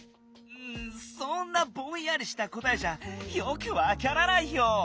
そんなぼんやりしたこたえじゃよくわからないよ！